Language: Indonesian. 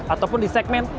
ataupun di segmen